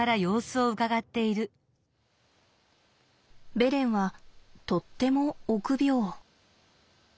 ベレンはとっても臆病。